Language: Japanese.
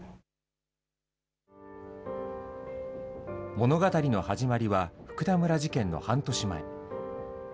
物語の始まりは、福田村事件の半年前。